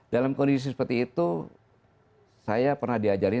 dalam kondisi seperti itu saya pernah diajarin